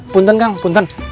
punten kang punten